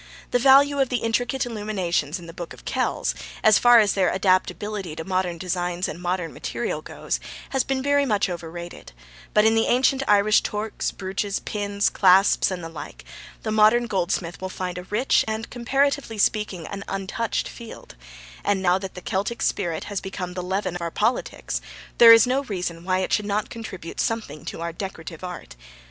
The value of the intricate illuminations in the Book of Kells, as far as their adaptability to modern designs and modern material goes, has been very much overrated, but in the ancient Irish torques, brooches, pins, clasps and the like, the modern goldsmith will find a rich and, comparatively speaking, an untouched field; and now that the Celtic spirit has become the leaven of our politics, there is no reason why it should not contribute something to our decorative art.